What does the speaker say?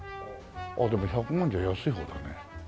ああでも１００万じゃ安い方だね。